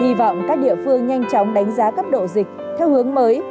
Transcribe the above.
hy vọng các địa phương nhanh chóng đánh giá cấp độ dịch theo hướng mới